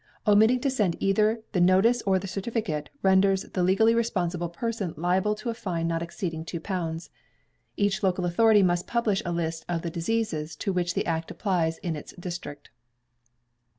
Omitting to send either the notice or the certificate, renders the legally responsible person liable to a fine not exceeding £2. Each local authority must publish a list of the diseases to which the Act applies in its district.